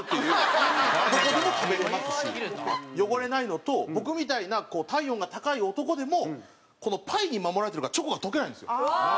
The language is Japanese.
汚れないのと僕みたいな体温が高い男でもこのパイに守られているからチョコが溶けないんですよ。